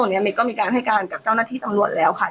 ตอนนี้เมย์ก็มีการให้การกับเจ้าหน้าที่ตำรวจแล้วค่ะ